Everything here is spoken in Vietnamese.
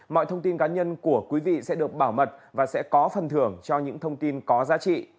mọi thông tin cá nhân của quý vị sẽ được bảo mật và sẽ có phần thưởng cho những thông tin có giá trị